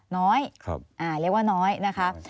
น้อยเรียกว่าน้อยนะคะ